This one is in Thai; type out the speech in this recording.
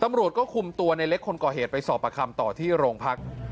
ตำรวจก็คุมตัวในเล็กคนก่อเหตุไปสอบประคำต่อที่โรงพัก